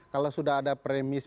kalau sudah ada premis